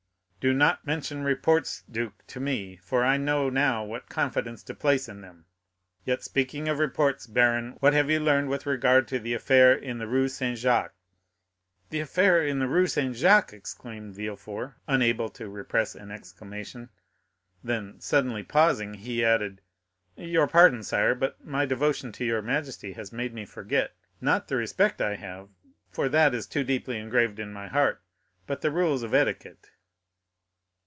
"Do not mention reports, duke, to me, for I know now what confidence to place in them. Yet, speaking of reports, baron, what have you learned with regard to the affair in the Rue Saint Jacques?" "The affair in the Rue Saint Jacques!" exclaimed Villefort, unable to repress an exclamation. Then, suddenly pausing, he added, "Your pardon, sire, but my devotion to your majesty has made me forget, not the respect I have, for that is too deeply engraved in my heart, but the rules of etiquette."